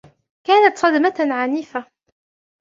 كانت صدمة عنيفة.